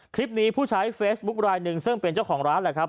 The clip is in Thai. ผู้ใช้เฟซบุ๊คลายหนึ่งซึ่งเป็นเจ้าของร้านแหละครับ